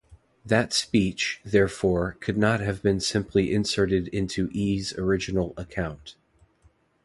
That speech, therefore, could not have been simply inserted into E's original account.